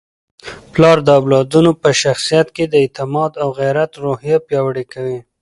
پلار د اولادونو په شخصیت کي د اعتماد او غیرت روحیه پیاوړې کوي.